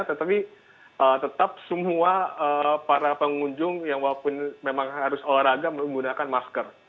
tetapi tetap semua para pengunjung yang walaupun memang harus olahraga menggunakan masker